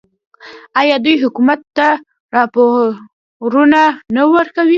آیا دوی حکومت ته راپورونه نه ورکوي؟